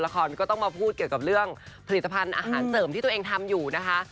ก็ต้องมาพูดเกี่ยวกับเรื่องผลิตภัณฑ์อาหารเสริมที่ตัวเองทำอยู่นะคะ